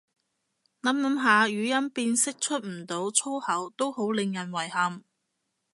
諗諗下語音辨識出唔到粗口都好令人遺憾